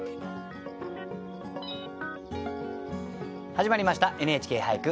始まりました「ＮＨＫ俳句」。